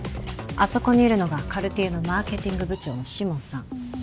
あそこにいるのがカルティエのマーケティング部長のシモンさん